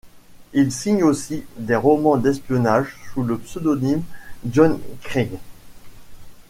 Il signe aussi des romans d'espionnage sous le pseudonyme John Creed.